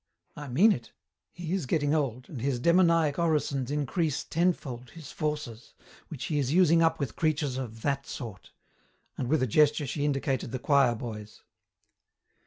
"I mean it. He is getting old, and his demoniac orisons increase tenfold his forces, which he is using up with creatures of that sort," and with a gesture she indicated the choir boys.